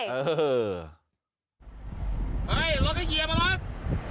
เฮ้ยรถกันเยียมมาแล้ว